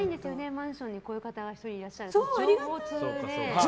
マンションにこういう方が１人いらっしゃると情報通で。